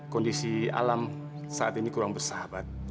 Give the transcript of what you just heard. kondisi alam saat ini kurang bersahabat